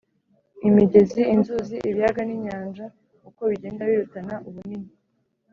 imigezi, inzuzi, ibiyaga n’inyanja uko bigenda birutana ubunini